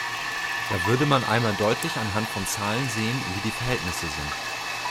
Da würde man einmal deutlich anhand von Zahlen sehen, wie die Verhältnisse sind.